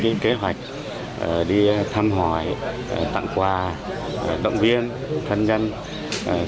luôn có những kế hoạch đi thăm hỏi tặng quà động viên thân nhân anh hùng liệt sĩ